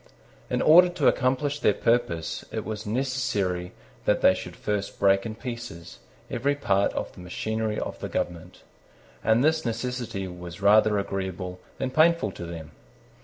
In order to accomplish their purpose, it was necessary that they should first break in pieces every part of the machinery of the government; and this necessity was rather agreeable than painful to them.